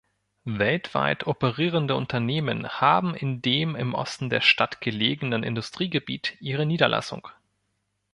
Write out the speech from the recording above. Weltweit operierende Unternehmen haben in dem im Osten der Stadt gelegenen Industriegebiet ihre Niederlassung.